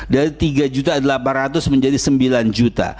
dari tiga juta delapan ratus menjadi sembilan juta